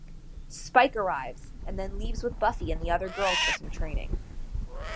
Spike arrives and then leaves with Buffy and the other girls for some training.